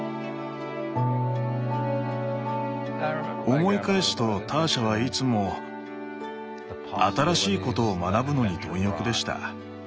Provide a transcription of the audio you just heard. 思い返すとターシャはいつも新しいことを学ぶのに貪欲でした。